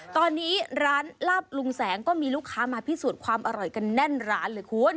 ตอนนี้ร้านลาบลุงแสงก็มีลูกค้ามาพิสูจน์ความอร่อยกันแน่นร้านเลยคุณ